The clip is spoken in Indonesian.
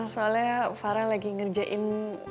soalnya farah lagi ngerjain